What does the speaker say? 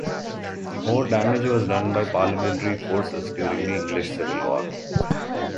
More damage was done by Parliamentary forces during the English Civil War.